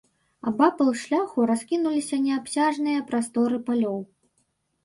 Абапал шляху раскінуліся неабсяжныя прасторы палёў.